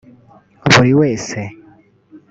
Buri wese